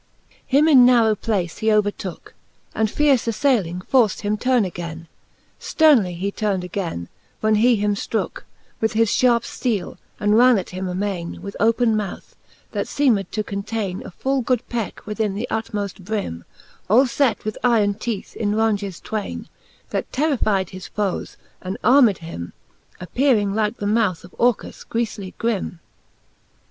Him in a narrow place he overtooke. And fierce affailing forft him turne againe : Sternely he turnd againe, when he him itrooke With his fharpe fteele, and ran at him amaine With open mouth, that feemed to containe A full good pecke within the utmoft brim, All fet with yron teeth in raunges twaine, That terrifide his foes, and armed him, Appearing like the mouth of Orcus griefly grim.